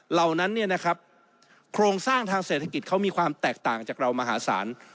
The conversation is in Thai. เหล่านั้นเนี่ยนะครับโครงสร้างทางเศรษฐกิจเขามีความแตกต่างจากเรามหาศาล